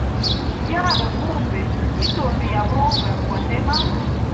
Vyaga gumbe itundu ya bunga bwa ndema.